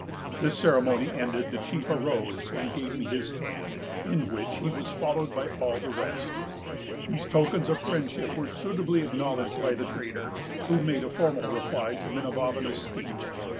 This ceremony ended, the chief arose, and gave me his hand, in which he was followed by all the rest." These tokens of friendship were suitably acknowledged by the trader, who made a formal reply to Minavavana's speech.